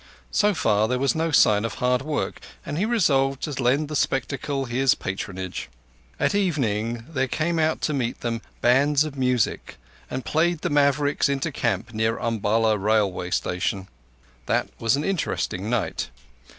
So far, there was no sign of hard work, and he resolved to lend the spectacle his patronage. At evening there came out to meet them bands of music, and played the Mavericks into camp near Umballa railway station. That was an interesting night.